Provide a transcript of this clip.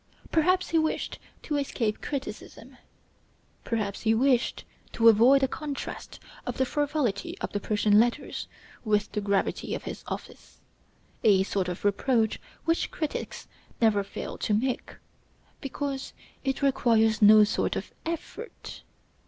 Perhaps he wished to escape criticism. Perhaps he wished to avoid a contrast of the frivolity of the 'Persian Letters' with the gravity of his office; a sort of reproach which critics never fail to make, because it requires no sort of effort.